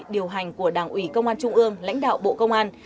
điều hành của đảng ủy công an trung ương lãnh đạo bộ công an